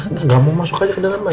nggak mau masuk aja ke dalam aja